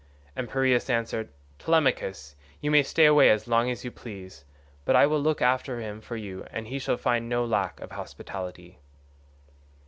And Piraeus answered, "Telemachus, you may stay away as long as you please, but I will look after him for you, and he shall find no lack of hospitality."